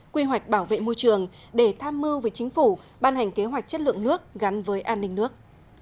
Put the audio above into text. quy hoạch bảo vệ môi trường để tham mưu với chính phủ ban hành kế hoạch chất lượng nước gắn với an ninh nước